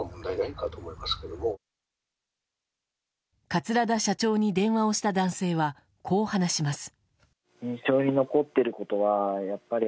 桂田社長に電話をした男性はこう話します。